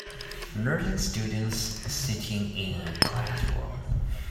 Nursing students sitting in a classroom.